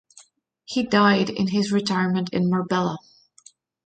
He died in his retirement in Marbella.